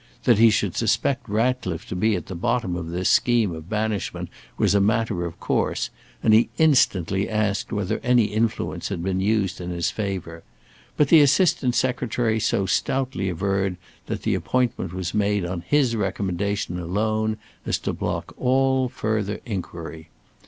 That he should suspect Ratcliffe to be at the bottom of this scheme of banishment was a matter of course, and he instantly asked whether any influence had been used in his favour; but the Assistant Secretary so stoutly averred that the appointment was made on his recommendation alone, as to block all further inquiry.